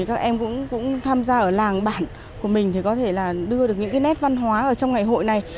các em cũng tham gia ở làng bản của mình có thể đưa được những nét văn hóa trong ngày hội này